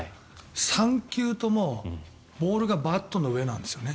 ３球ともボールがバットの上なんですよね。